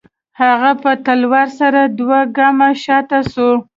هغه په تلوار سره دوه گامه شاته سوه.